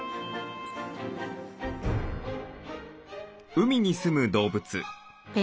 海にすむ動物。